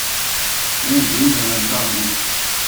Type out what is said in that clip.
onze rue Manasses Barbier